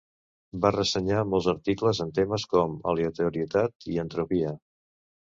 Va ressenyar molts articles en temes com aleatorietat i entropia.